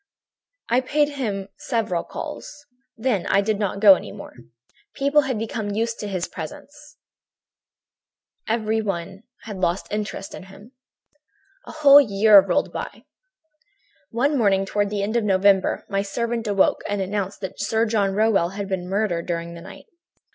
"I paid him several calls. Then I did not go any more. People had become used to his presence; everybody had lost interest in him. "A whole year rolled by. One morning, toward the end of November, my servant awoke me and announced that Sir John Rowell had been murdered during the night.